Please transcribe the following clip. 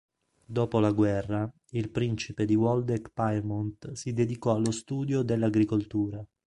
Dopo la guerra, il principe di Waldeck-Pyrmont si dedicò allo studio dell'agricoltura.